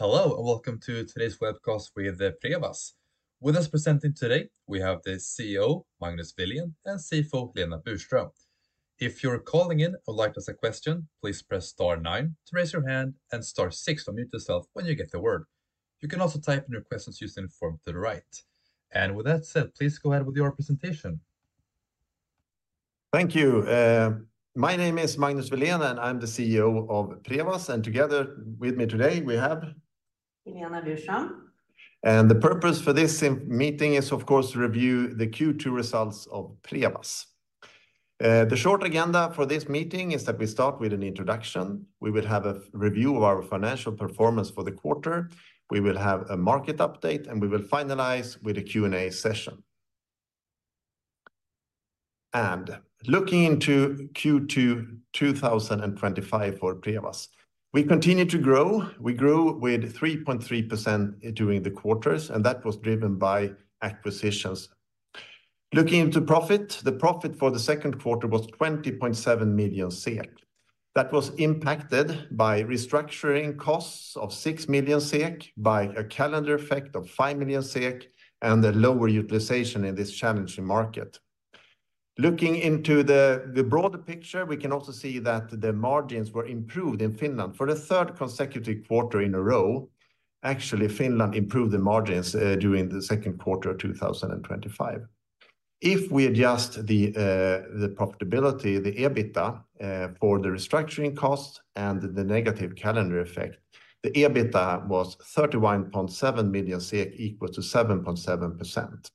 Hello and welcome to today's webcast with Prevas. With us presenting today, we have the CEO, Magnus Welén, and CFO, Helena Burström. If you're calling in or would like to ask a question, please press star nine to raise your hand and star six to mute yourself when you get the word. You can also type in your questions using the form to the right. With that said, please go ahead with your presentation. Thank you. My name is Magnus Welén and I'm the CEO of Prevas. Together with me today, we have... Helena Burström. The purpose for this meeting is, of course, to review the Q2 results of Prevas. The short agenda for this meeting is that we start with an introduction. We will have a review of our financial performance for the quarter. We will have a market update, and we will finalize with a Q&A session. Looking into Q2 2025 for Prevas, we continue to grow. We grew with 3.3% during the quarters, and that was driven by acquisitions. Looking into profit, the profit for the second quarter was 20.7 million SEK. That was impacted by restructuring costs of 6 million SEK, by a calendar effect of 5 million SEK, and the lower utilization in this challenging market. Looking into the broader picture, we can also see that the margins were improved in Finland for the third consecutive quarter in a row. Actually, Finland improved the margins during the second quarter of 2025. If we adjust the profitability, the EBITDA for the restructuring costs and the negative calendar effect, the EBITDA was 31.7 million, equal to 7.7%.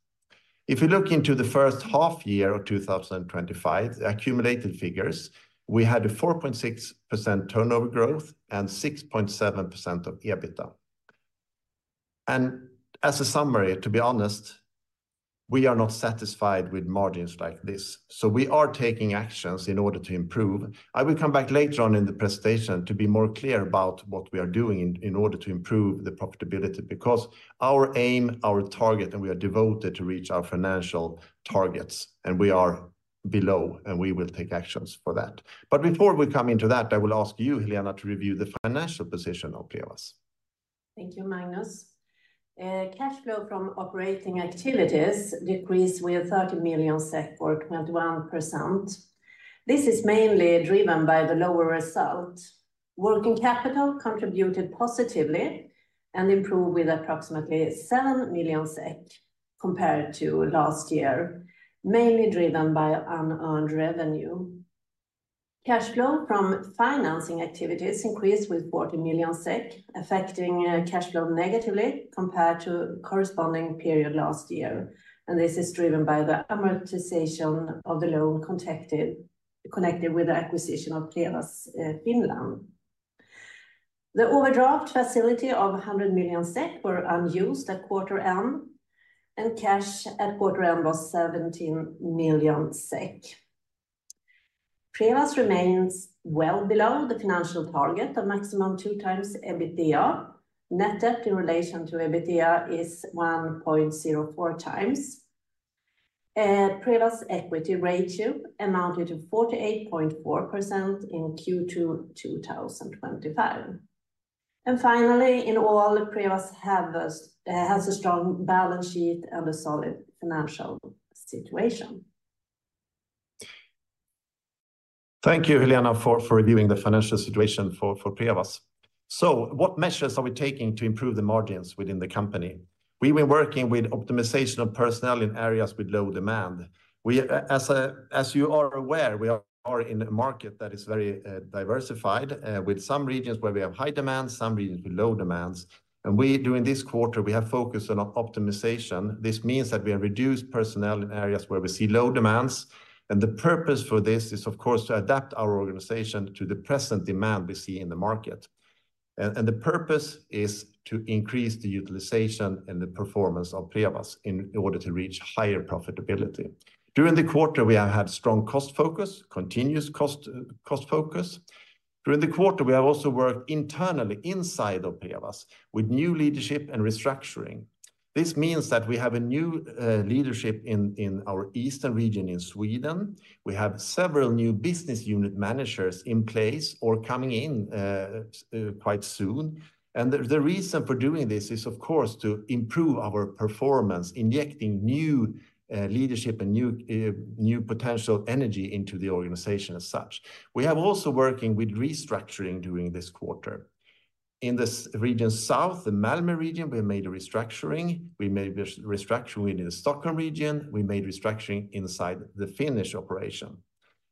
If you look into the first half year of 2025, the accumulated figures, we had a 4.6% turnover growth and 6.7% of EBITDA. As a summary, to be honest, we are not satisfied with margins like this. We are taking actions in order to improve. I will come back later on in the presentation to be more clear about what we are doing in order to improve the profitability because our aim, our target, and we are devoted to reach our financial targets, and we are below, and we will take actions for that. Before we come into that, I will ask you, Helena, to review the financial position of Prevas. Thank you, Magnus. Cash flow from operating activities decreased by 30 million SEK, or 0.1%. This is mainly driven by the lower result. Working capital contributed positively and improved by approximately 7 million SEK compared to last year, mainly driven by unearned revenue. Cash flow from financing activities increased by 40 million SEK, affecting cash flow negatively compared to the corresponding period last year. This is driven by the amortization of the loan connected with the acquisition of Prevas, Finland. The overdraft facility of 100 million SEK was unused at quarter end, and cash at quarter end was 17 million SEK. Prevas remains well below the financial target of maximum 2x EBITDA. Net debt in relation to EBITDA is 1.04x. Prevas equity ratio amounted to 48.4% in Q2 2025. In all, Prevas has a strong balance sheet and a solid financial situation. Thank you, Helena, for reviewing the financial situation for Prevas. What measures are we taking to improve the margins within the company? We've been working with optimization of personnel in areas with low demand. As you are aware, we are in a market that is very diversified, with some regions where we have high demands, some regions with low demands. During this quarter, we have focused on optimization. This means that we reduce personnel in areas where we see low demands. The purpose for this is, of course, to adapt our organization to the present demand we see in the market. The purpose is to increase the utilization and the performance of Prevas in order to reach higher profitability. During the quarter, we have had strong cost focus, continuous cost focus. During the quarter, we have also worked internally inside of Prevas with new leadership and restructuring. This means that we have a new leadership in our eastern region in Sweden. We have several new business unit managers in place or coming in quite soon. The reason for doing this is, of course, to improve our performance, injecting new leadership and new potential energy into the organization as such. We have also been working with restructuring during this quarter. In the region south, the Malmö region, we have made a restructuring. We made a restructuring in the Stockholm region. We made a restructuring inside the Finnish operation.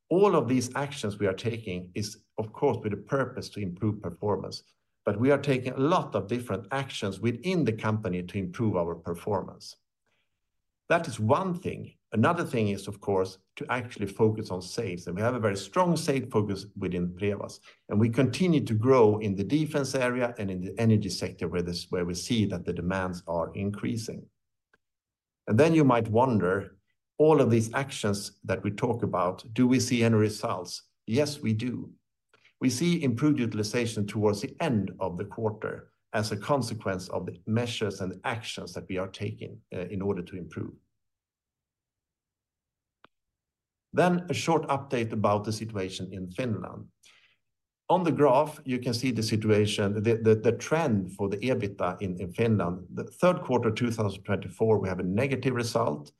All of these actions we are taking are, of course, with the purpose to improve performance. We are taking a lot of different actions within the company to improve our performance. That is one thing. Another thing is, of course, to actually focus on sales. We have a very strong sales focus within Prevas. We continue to grow in the defense area and in the energy sector where we see that the demands are increasing. You might wonder, all of these actions that we talk about, do we see any results? Yes, we do. We see improved utilization towards the end of the quarter as a consequence of the measures and actions that we are taking in order to improve. A short update about the situation in Finland. On the graph, you can see the situation, the trend for the EBITDA in Finland. The third quarter of 2024, we have a negative result.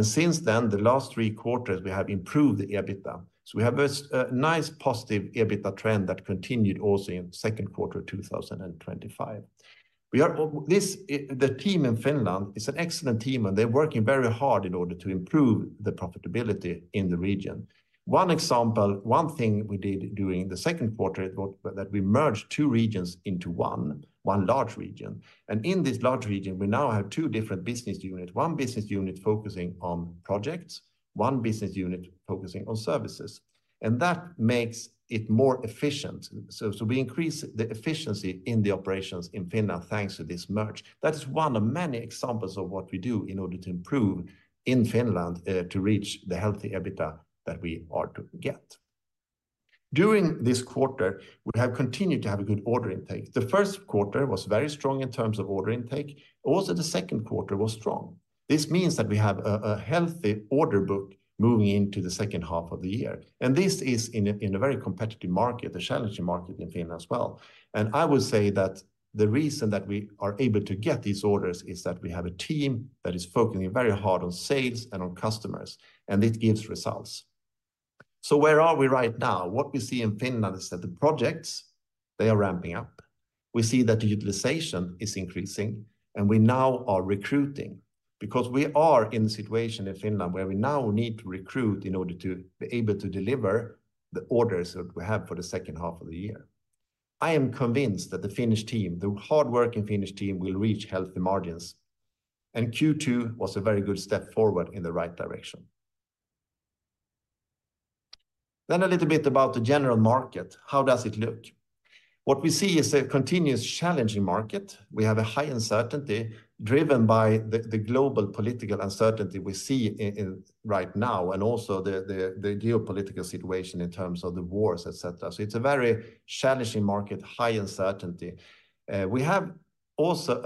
Since then, the last three quarters, we have improved the EBITDA. We have a nice positive EBITDA trend that continued also in the second quarter of 2025. The team in Finland is an excellent team, and they're working very hard in order to improve the profitability in the region. One example, one thing we did during the second quarter was that we merged two regions into one, one large region. In this large region, we now have two different business units, one business unit focusing on projects, one business unit focusing on services. That makes it more efficient. We increase the efficiency in the operations in Finland thanks to this merge. That is one of many examples of what we do in order to improve in Finland to reach the healthy EBITDA that we are to get. During this quarter, we have continued to have a good order intake. The first quarter was very strong in terms of order intake. Also, the second quarter was strong. This means that we have a healthy order book moving into the second half of the year. This is in a very competitive market, a challenging market in Finland as well. I would say that the reason that we are able to get these orders is that we have a team that is focusing very hard on sales and on customers. It gives results. Where are we right now? What we see in Finland is that the projects, they are ramping up. We see that the utilization is increasing, and we now are recruiting because we are in a situation in Finland where we now need to recruit in order to be able to deliver the orders that we have for the second half of the year. I am convinced that the Finnish team, the hardworking Finnish team, will reach healthy margins. Q2 was a very good step forward in the right direction. A little bit about the general market. How does it look? What we see is a continuous challenging market. We have a high uncertainty driven by the global political uncertainty we see right now and also the geopolitical situation in terms of the wars, etc. It is a very challenging market, high uncertainty. We have also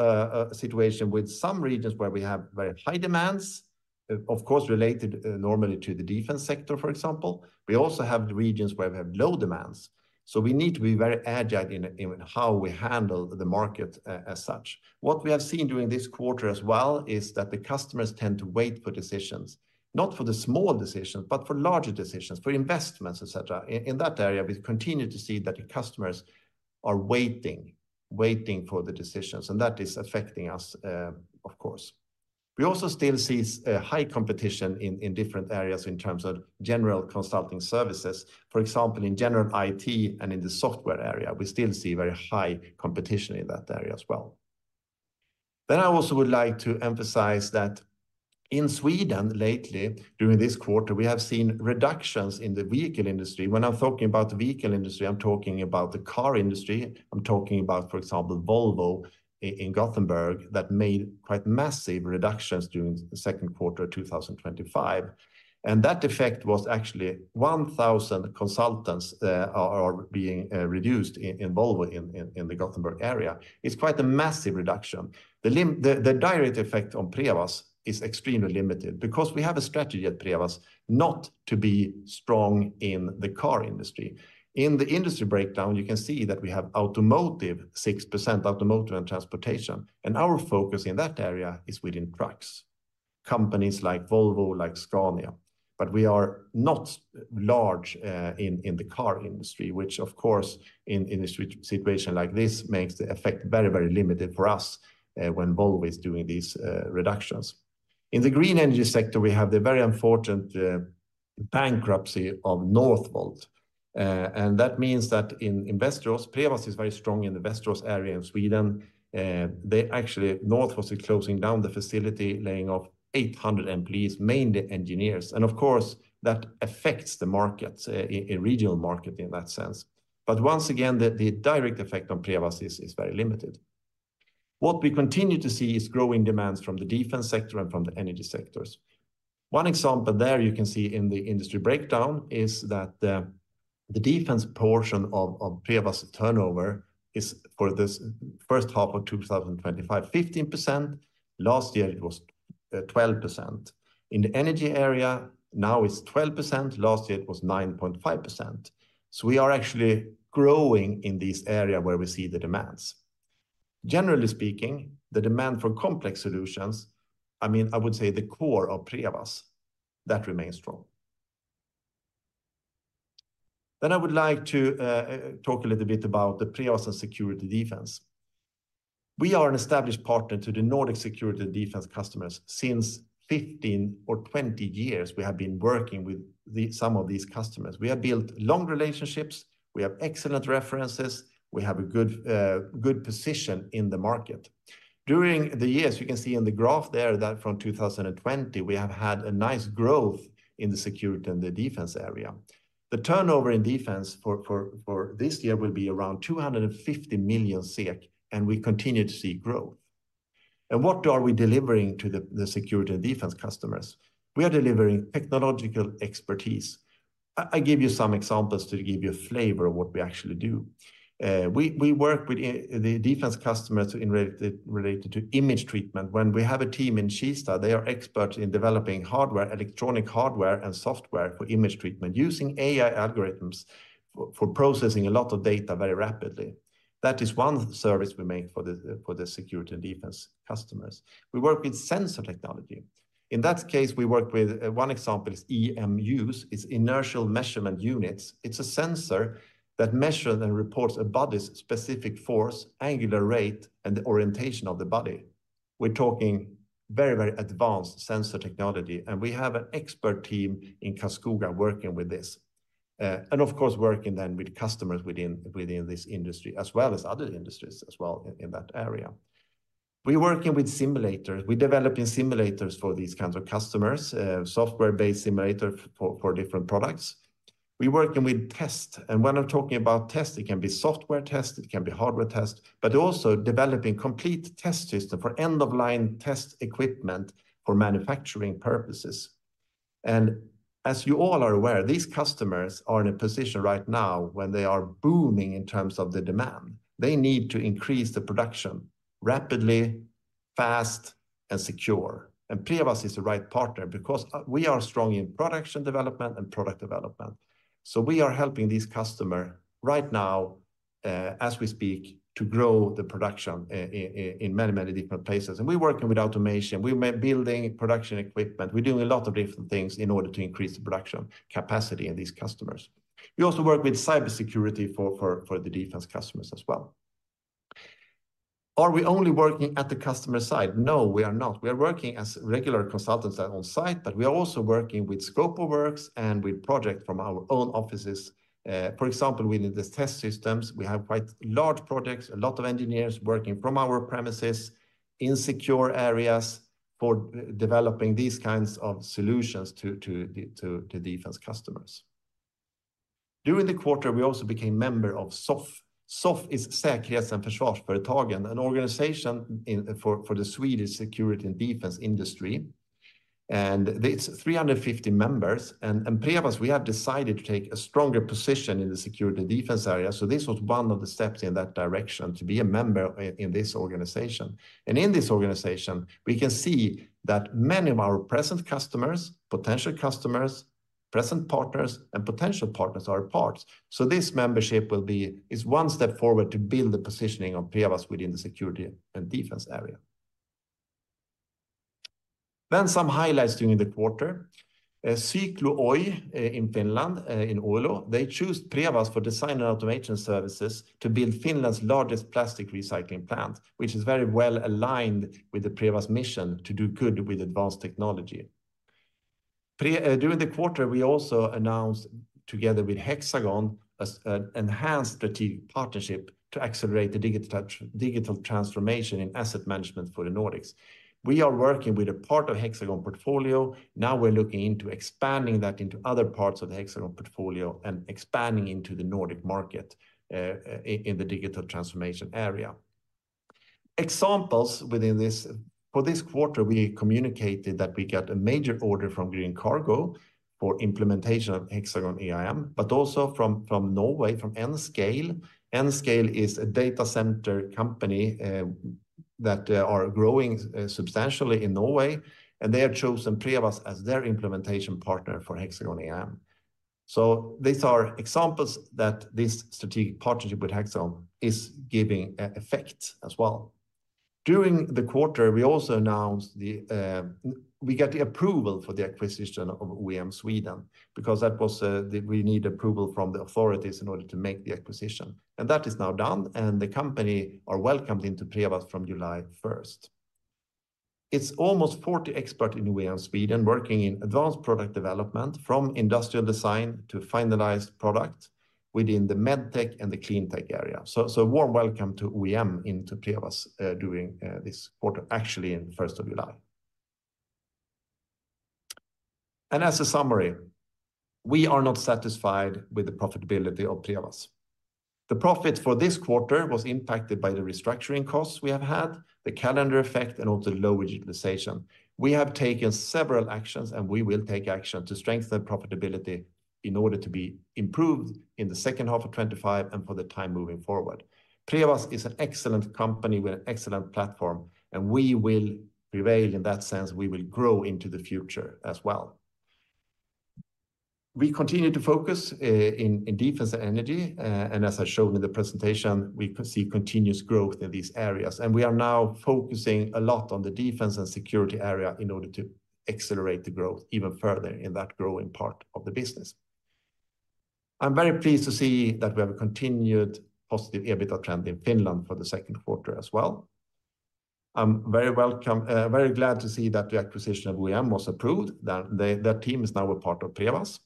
a situation with some regions where we have very high demands, of course, related normally to the defense sector, for example. We also have regions where we have low demands. We need to be very agile in how we handle the market as such. What we have seen during this quarter as well is that the customers tend to wait for decisions, not for the small decisions, but for larger decisions, for investments, etc. In that area, we continue to see that the customers are waiting, waiting for the decisions, and that is affecting us, of course. We also still see high competition in different areas in terms of general consulting services. For example, in general IT and in the software area, we still see very high competition in that area as well. I also would like to emphasize that in Sweden lately, during this quarter, we have seen reductions in the vehicle industry. When I'm talking about the vehicle industry, I'm talking about the car industry. I'm talking about, for example, Volvo in Gothenburg that made quite massive reductions during the second quarter of 2025. That effect was actually 1,000 consultants being reduced in Volvo in the Gothenburg area. It's quite a massive reduction. The direct effect on Prevas is extremely limited because we have a strategy at Prevas not to be strong in the car industry. In the industry breakdown, you can see that we have automotive, 6% automotive and transportation. Our focus in that area is within trucks, companies like Volvo, like Scania. We are not large in the car industry, which, of course, in a situation like this, makes the effect very, very limited for us when Volvo is doing these reductions. In the green energy sector, we have the very unfortunate bankruptcy of Northvolt. That means that in Västerås, Prevas is very strong in the Västerås area in Sweden. Northvolt is closing down the facility, laying off 800 employees, mainly engineers. Of course, that affects the markets, a regional market in that sense. Once again, the direct effect on Prevas is very limited. What we continue to see is growing demands from the defense sector and from the energy sectors. One example there you can see in the industry breakdown is that the defense portion of Prevas turnover is for the first half of 2025, 15%. Last year, it was 12%. In the energy area, now it's 12%. Last year, it was 9.5%. We are actually growing in this area where we see the demands. Generally speaking, the demand for complex solutions, I mean, I would say the core of Prevas, that remains strong. I would like to talk a little bit about the Prevas and security defense. We are an established partner to the Nordic security and defense customers. Since 15 or 20 years, we have been working with some of these customers. We have built long relationships. We have excellent references. We have a good position in the market. During the years, you can see in the graph there that from 2020, we have had a nice growth in the security and the defense area. The turnover in defense for this year will be around 250 million SEK, and we continue to see growth. What are we delivering to the security and defense customers? We are delivering technological expertise. I give you some examples to give you a flavor of what we actually do. We work with the defense customers related to image treatment. We have a team in Kista; they are experts in developing hardware, electronic hardware, and software for image treatment using AI algorithms for processing a lot of data very rapidly. That is one service we make for the security and defense customers. We work with sensor technology. In that case, we work with, one example is IMUs. It's inertial measurement units. It's a sensor that measures and reports a body's specific force, angular rate, and the orientation of the body. We're talking very, very advanced sensor technology, and we have an expert team in [Kaskuga] working with this. Of course, working then with customers within this industry as well as other industries as well in that area. We're working with simulators. We're developing simulators for these kinds of customers, software-based simulators for different products. We're working with tests. When I'm talking about tests, it can be software tests, it can be hardware tests, but also developing complete test systems for end-of-line test equipment for manufacturing purposes. As you all are aware, these customers are in a position right now when they are booming in terms of the demand. They need to increase the production rapidly, fast, and secure. Prevas is the right partner because we are strong in production development and product development. We are helping these customers right now, as we speak, to grow the production in many, many different places. We're working with automation. We're building production equipment. We're doing a lot of different things in order to increase the production capacity of these customers. We also work with cybersecurity for the defense customers as well. Are we only working at the customer side? No, we are not. We are working as regular consultants on site, but we are also working with Scope of Works and with projects from our own offices. For example, within the test systems, we have quite large projects, a lot of engineers working from our premises in secure areas for developing these kinds of solutions to the defense customers. During the quarter, we also became a member of SOFF. SOFF is Säkerhets- och försvarsföretagen, an organization for the Swedish security and defense industry. It has 350 members. Prevas, we have decided to take a stronger position in the security and defense area. This was one of the steps in that direction to be a member in this organization. In this organization, we can see that many of our present customers, potential customers, present partners, and potential partners are parts. This membership will be one step forward to build the positioning of Prevas within the security and defense area. Some highlights during the quarter: Syklo Oy in Finland, in Oulu, chose Prevas for design and automation services to build Finland's largest plastic recycling plant, which is very well aligned with the Prevas mission to do good with advanced technology. During the quarter, we also announced, together with Hexagon, an enhanced strategic partnership to accelerate the digital transformation in asset management for the Nordics. We are working with a part of the Hexagon portfolio. Now we're looking into expanding that into other parts of the Hexagon portfolio and expanding into the Nordic market in the digital transformation area. Examples within this, for this quarter, we communicated that we got a major order from Green Cargo for implementation of Hexagon EAM, but also from Norway, from nScale. nScale is a data center company that is growing substantially in Norway, and they have chosen Prevas as their implementation partner for Hexagon EAM. These are examples that this strategic partnership with Hexagon is giving effect as well. During the quarter, we also announced we got the approval for the acquisition of OIM Sweden AB because we needed approval from the authorities in order to make the acquisition. That is now done, and the company is welcomed into Prevas from July 1st. It's almost 40 experts in OIM Sweden AB working in advanced product development from industrial design to finalized products within the medtech and the cleantech area. A warm welcome to OIM into Prevas during this quarter, actually on the 1st of July. As a summary, we are not satisfied with the profitability of Prevas. The profit for this quarter was impacted by the restructuring costs we have had, the calendar effect, and also lower utilization. We have taken several actions, and we will take action to strengthen profitability in order to be improved in the second half of 2025 and for the time moving forward. Prevas is an excellent company with an excellent platform, and we will prevail in that sense. We will grow into the future as well. We continue to focus on defense and energy, and as I showed in the presentation, we see continuous growth in these areas. We are now focusing a lot on the defense and security area in order to accelerate the growth even further in that growing part of the business. I'm very pleased to see that we have a continued positive EBITDA trend in Finland for the second quarter as well. I'm very glad to see that the acquisition of OIM was approved, that their team is now a part of Prevas,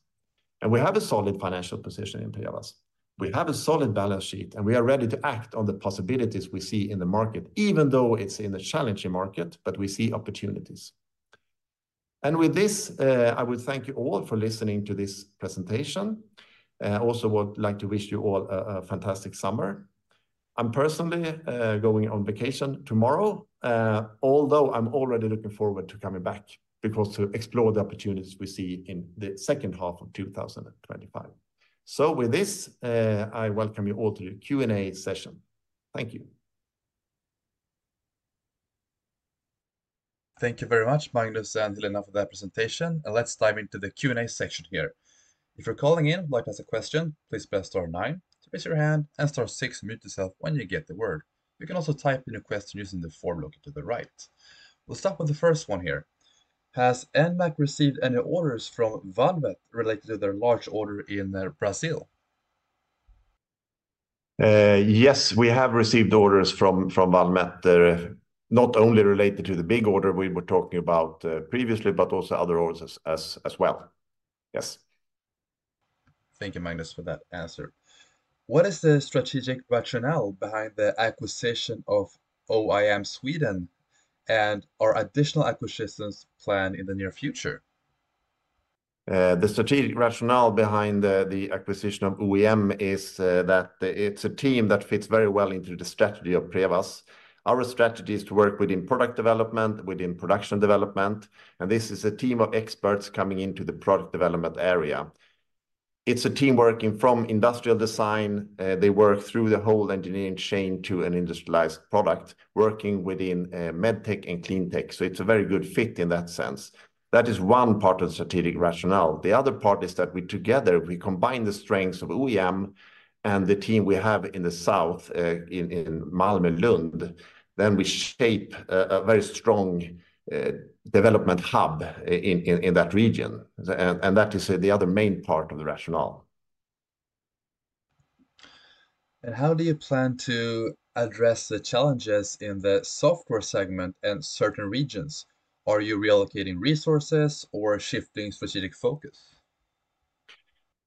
and we have a solid financial position in Prevas. We have a solid balance sheet, and we are ready to act on the possibilities we see in the market, even though it's in a challenging market, but we see opportunities. With this, I would thank you all for listening to this presentation. I also would like to wish you all a fantastic summer. I'm personally going on vacation tomorrow, although I'm already looking forward to coming back because to explore the opportunities we see in the second half of 2025. With this, I welcome you all to the Q&A session. Thank you. Thank you very much, Magnus and Helena, for that presentation. Let's dive into the Q&A section here. If you're calling in, like us, a question, please press star nine to raise your hand and star six to mute yourself when you get the word. You can also type in your question using the form located to the right. We'll start with the first one here. Has NMAC received any orders from Valmet related to their large order in Brazil? Yes, we have received orders from Valmet, not only related to the big order we were talking about previously, but also other orders as well. Yes. Thank you, Magnus, for that answer. What is the strategic rationale behind the acquisition of OIM Sweden and our additional acquisitions planned in the near future? The strategic rationale behind the acquisition of OIM is that it's a team that fits very well into the strategy of Prevas. Our strategy is to work within product development, within production development, and this is a team of experts coming into the product development area. It's a team working from industrial design. They work through the whole engineering chain to an industrialized product, working within medtech and cleantech. It's a very good fit in that sense. That is one part of the strategic rationale. The other part is that we together, we combine the strengths of OIM and the team we have in the south, in Malmö, Lund. We shape a very strong development hub in that region. That is the other main part of the rationale. How do you plan to address the challenges in the software segment and certain regions? Are you reallocating resources or shifting strategic focus?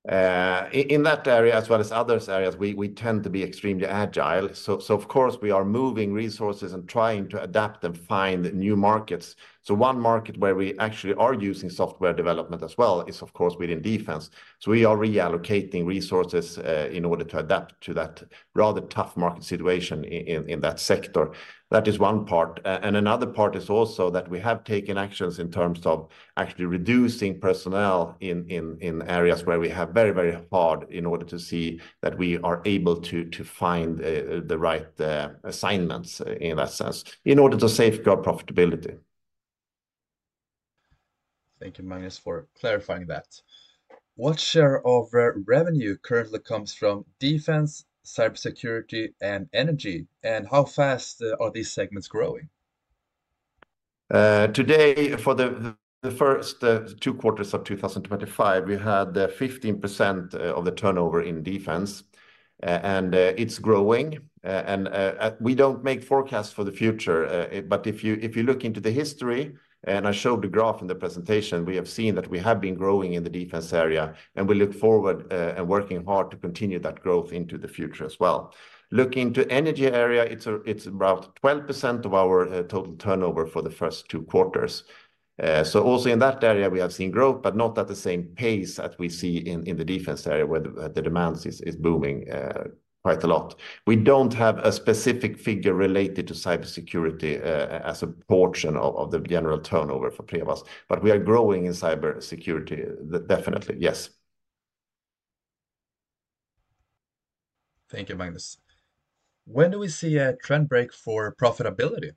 In that area, as well as other areas, we tend to be extremely agile. Of course, we are moving resources and trying to adapt and find new markets. One market where we actually are using software development as well is within defense. We are reallocating resources in order to adapt to that rather tough market situation in that sector. That is one part. Another part is also that we have taken actions in terms of actually reducing personnel in areas where we have very, very hard in order to see that we are able to find the right assignments in that sense in order to safeguard profitability. Thank you, Magnus, for clarifying that. What share of revenue currently comes from defense, cybersecurity, and energy? How fast are these segments growing? Today, for the first two quarters of 2025, we had 15% of the turnover in defense. It's growing. We don't make forecasts for the future. If you look into the history, and I showed the graph in the presentation, we have seen that we have been growing in the defense area. We look forward and are working hard to continue that growth into the future as well. Looking into the energy area, it's about 12% of our total turnover for the first two quarters. Also in that area, we have seen growth, but not at the same pace as we see in the defense area where the demand is booming quite a lot. We don't have a specific figure related to cybersecurity as a portion of the general turnover for Prevas, but we are growing in cybersecurity definitely, yes. Thank you, Magnus. When do we see a trend break for profitability?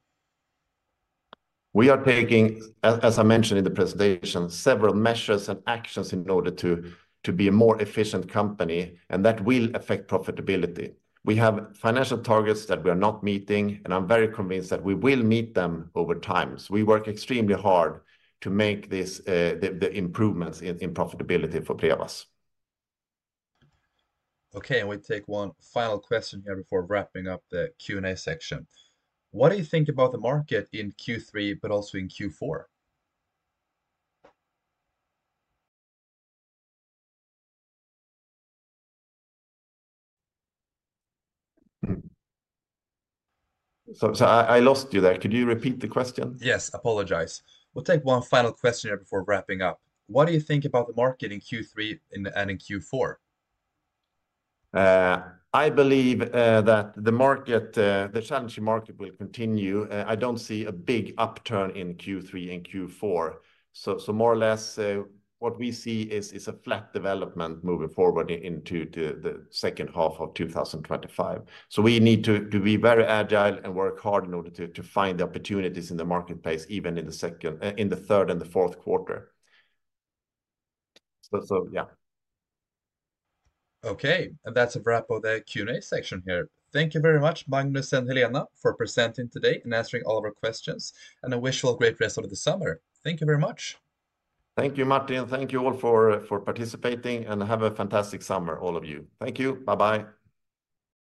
We are taking, as I mentioned in the presentation, several measures and actions in order to be a more efficient company, and that will affect profitability. We have financial targets that we are not meeting, and I'm very convinced that we will meet them over time. We work extremely hard to make these improvements in profitability for Prevas. Okay, we take one final question here before wrapping up the Q&A section. What do you think about the market in Q3, but also in Q4? Sorry, I lost you there. Could you repeat the question? Yes, apologize. We'll take one final question here before wrapping up. What do you think about the market in Q3 and in Q4? I believe that the market, the challenging market will continue. I don't see a big upturn in Q3 and Q4. More or less, what we see is a flat development moving forward into the second half of 2025. We need to be very agile and work hard in order to find the opportunities in the marketplace, even in the third and the fourth quarter. Okay, that's a wrap of the Q&A section here. Thank you very much, Magnus and Helena, for presenting today and answering all of our questions. I wish you all a great rest of the summer. Thank you very much. Thank you, Martin. Thank you all for participating, and have a fantastic summer, all of you. Thank you. Bye-bye.